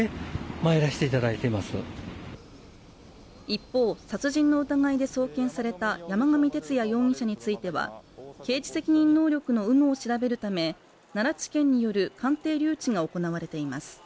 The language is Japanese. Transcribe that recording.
一方殺人の疑いで送検された山上徹也容疑者については刑事責任能力の有無を調べるため奈良地検による鑑定留置が行われています